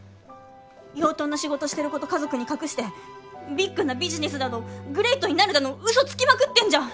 養豚の仕事してること家族に隠してビッグなビジネスだのグレイトになるだのウソつきまくってんじゃん！